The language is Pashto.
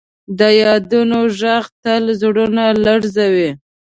د یادونو ږغ تل زړونه لړزوي.